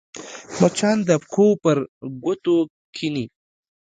مچان د پښو پر ګوتو کښېني